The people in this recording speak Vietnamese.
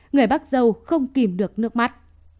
người bác dâu không tìm được nước mắt